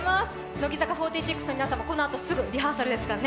乃木坂４６の皆さんもこのあとすぐ、リハーサルですからね。